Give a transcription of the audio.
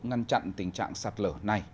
ngăn chặn tình trạng sạt lở này